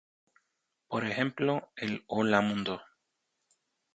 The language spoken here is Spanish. Por ejemplo, el "Hola, mundo!